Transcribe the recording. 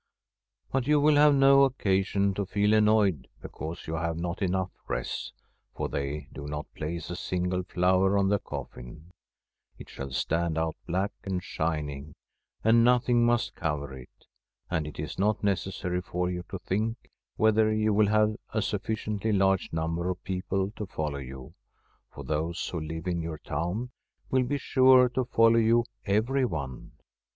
But you will have no occasion to feel annoyed because you have not enough wreaths, for they do not place a single flower on the coffin ; it shall stand out black and shining, and nothing must cover it ; and it is not necessary for you to think whether you will have a sufficiently large ntmiber of people to follow you, for those who live in your town will be sure to follow you, every one.